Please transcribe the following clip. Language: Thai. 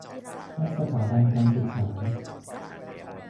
และสถาบันการศึกษา